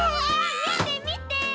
みてみて！